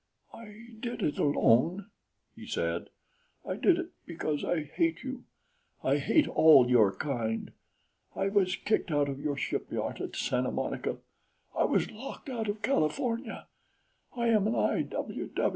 "I did it alone," he said. "I did it because I hate you I hate all your kind. I was kicked out of your shipyard at Santa Monica. I was locked out of California. I am an I.